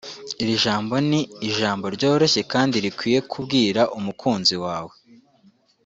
Iri jambo ni ijambo ryoroshye kandi rikwiye kubwira umukunzi wawe